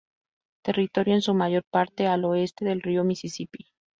Territorio en su mayor parte al oeste del río Misisipi.